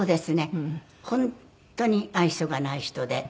本当に愛想がない人で。